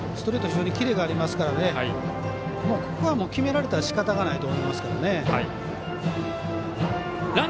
非常にキレがありますからここは決められたらしかたないと思いますけどね。